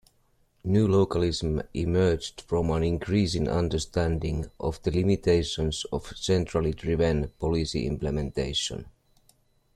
New localism emerged from an increasing understanding of the limitations of centrally-driven policy implementation.